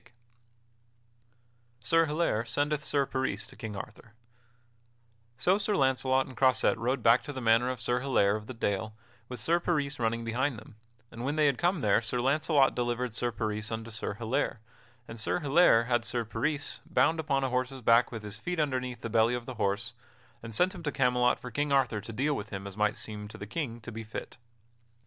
[Sidenote: Sir Hilaire sendeth Sir Peris to King Arthur] So Sir Launcelot and Croisette rode back to the manor of Sir Hilaire of the Dale with Sir Peris running behind them, and when they had come there Sir Launcelot delivered Sir Peris unto Sir Hilaire, and Sir Hilaire had Sir Peris bound upon a horse's back with his feet underneath the belly of the horse; and sent him to Camelot for King Arthur to deal with him as might seem to the King to be fit.